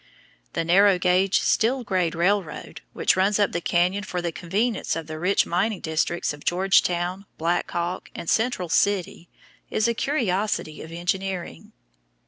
The narrow gauge, steel grade railroad, which runs up the canyon for the convenience of the rich mining districts of Georgetown, Black Hawk, and Central City, is a curiosity of engineering.